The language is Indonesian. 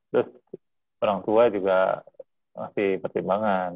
terus orang tua juga ngasih pertimbangan